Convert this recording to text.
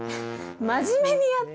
真面目にやって！